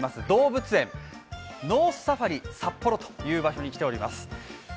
動物園ノースサファリサッポロという場所に来ております。